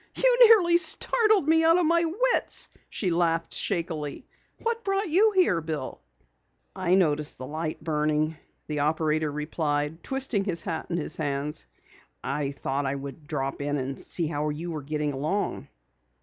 "You nearly startled me out of my wits," she laughed shakily, "What brought you here, Bill?" "I noticed the light burning," the operator replied, twisting his hat in his hands. "I thought I would drop in and see how you were getting along."